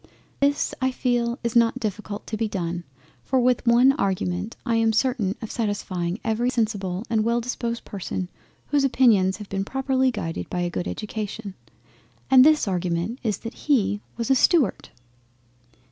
This, I feel, is not difficult to be done, for with one argument I am certain of satisfying every sensible and well disposed person whose opinions have been properly guided by a good Education—and this Argument is that he was a STUART.